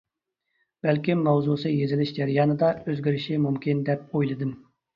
بەلكىم ماۋزۇسى يېزىلىش جەريانىدا ئۆزگىرىشى مۇمكىن دەپ ئويلىدىم.